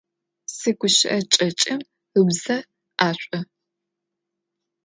Зигущыӏэ кӏэкӏым ыбзэ ӏэшӏу.